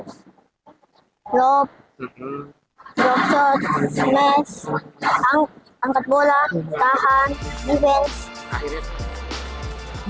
klub klub shot smash angkat bola tahan defense